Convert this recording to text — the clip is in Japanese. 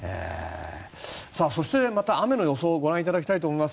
そして、また雨の予想をご覧いただきたいと思います。